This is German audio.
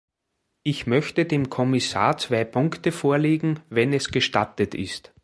Ich möchte dem Kommissar zwei Punkte vorlegen, wenn es gestattet ist.